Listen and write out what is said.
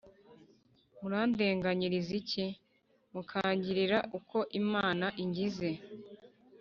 murandenganyiriza iki mukangirira uko imana ingize’